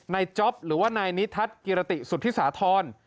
จ๊อปหรือว่านายนิทัศน์กิรติสุธิสาธร